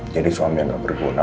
jadi suami yang gak berguna